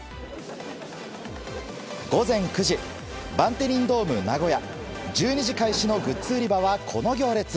午前９時バンテリンドームナゴヤ１２時開始のグッズ売り場はこの行列。